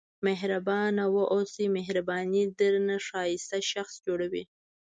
مهربانه واوسئ مهرباني درنه ښایسته شخص جوړوي.